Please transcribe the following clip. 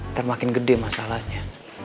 ntar makin gede masalahnya